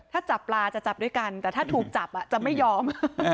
ถ้าจับปลาจะจับด้วยกันแต่ถ้าถูกจับจะไม่ยอม